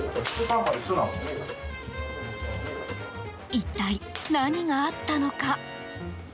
一体、何があったのか？